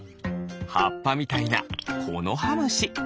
はっぱみたいなコノハムシ。